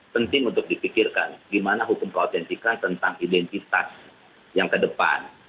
penting untuk dipikirkan gimana hukum kau autentikan tentang identitas yang kedepan